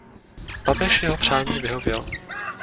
Papež jeho přání vyhověl.